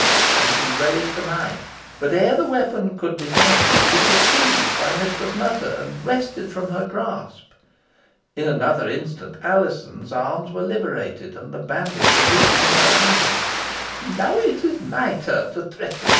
And she raised the knife, but ere the weapon could descend, it was seized by Mistress Nutter, and wrested from her grasp. In another instant, Alizon's arms were liberated, and the bandage removed from her eyes. "Now it is my turn to threaten.